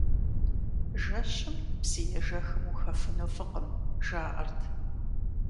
Жэщым псыежэхым ухэфыну фӀыкъым, жаӀэрт.